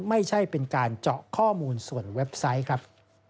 ไม่ใช่เป็นการเจาะข้อมูลส่วนเว็บไซต์ครับ